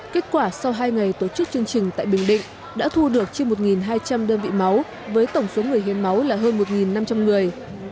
kết quả sau hai ngày tổ chức chương trình tại bình định đã thu được trên một hai trăm linh đơn vị máu với tổng số người hiến máu là hơn một năm trăm linh người